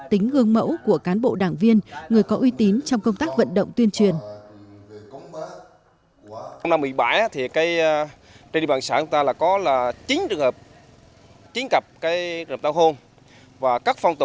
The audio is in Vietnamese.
tính gương tính lãnh đạo của đảng đối với công tác ngăn chặn đẩy lùi các tập quán lạc hậu